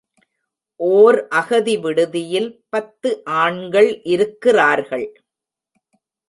ஒர் அகதி விடுதியில் பத்து ஆண்கள் இருக்கிறார்கள்.